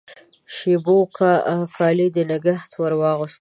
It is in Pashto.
شېبو کالي د نګهت واغوستله